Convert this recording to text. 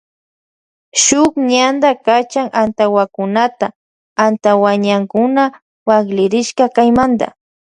Shun ñanta kachan antawakunata antawañankuna waklirishka kaymanta.